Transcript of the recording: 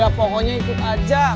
udah pokoknya ikut aja